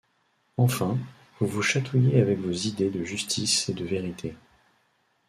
Enfin, vous vous chatouillez avec vos idées de justice et de vérité.